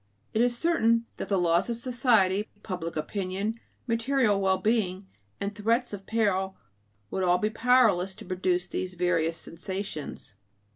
It is certain that the laws of society, public opinion, material well being, and threats of peril would all be powerless to produce these various sensations.